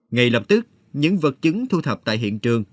ngay lập tức những vật chứng thu thập tại hiện trường